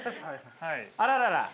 あららら。